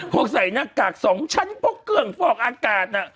เขาใส่หน้ากากสองชั้นพวกเครื่องฟอกอากาศน่ะ